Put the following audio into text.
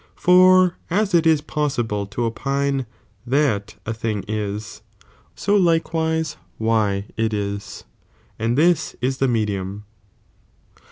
For as it J,pi^J^g is possible to opine that a thing is, so likewise patbruia icAy it is, and this is the medium.